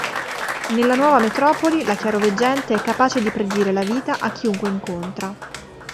Nella nuova metropoli la chiaroveggente è capace di predire la vita a chiunque incontra.